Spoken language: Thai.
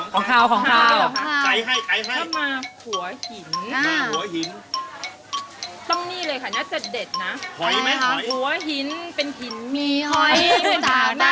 ของขาวนะของขาวนะของขาว